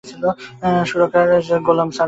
সুরকার গোলাম সারোয়ার।